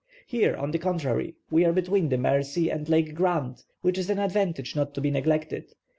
Here, on the contrary, we are between the Mercy and Lake Grant, which is an advantage not to be neglected.